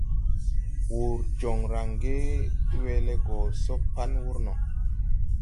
Wur jon range we le go so pan wur no.